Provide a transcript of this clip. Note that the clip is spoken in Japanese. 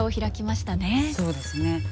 そうですね。